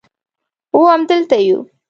هو همدلته یو